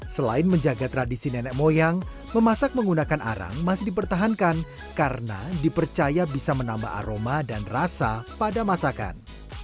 selain menjaga tradisi nenek moyang memasak menggunakan arang masih dipertahankan karena dipercaya bisa menambah aroma dan rasa pada masakan